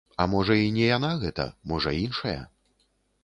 А можа і не яна гэта, можа іншая.